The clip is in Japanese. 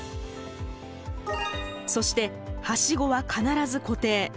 そしてはしごは必ず固定。